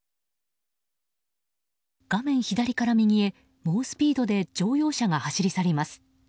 画面左から右へ、猛スピードで乗用車が走り去ります。